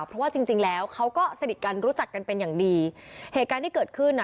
เพราะว่าจริงจริงแล้วเขาก็สนิทกันรู้จักกันเป็นอย่างดีเหตุการณ์ที่เกิดขึ้นน่ะ